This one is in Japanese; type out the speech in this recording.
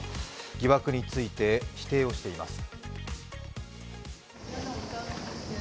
疑惑について否定をしています。